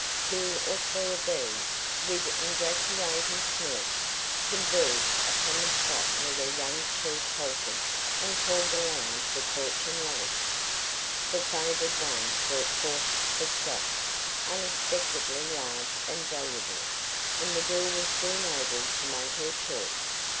Two or three of these, with ingratiating smirks, converged upon the spot where their young chief halted and called aloud for torchon lace. The favoured one brought forth the stock, unexpectedly large and valuable, and the girl was soon able to make her choice.